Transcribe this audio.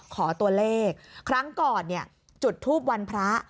ขอตัวเลขครั้งก่อนเนี่ยจุดทูปวันพระ